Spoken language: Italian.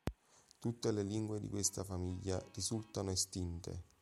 Tutte le lingue di questa famiglia risultano estinte.